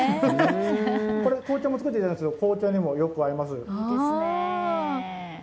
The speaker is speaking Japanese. これ、紅茶も作っていただきましたが、紅茶にもよく合います。